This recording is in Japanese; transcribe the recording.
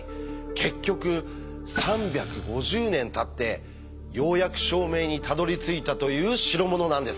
結局３５０年たってようやく証明にたどりついたという代物なんです。